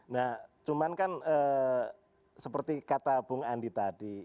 nah cuman kan seperti kata bung andi tadi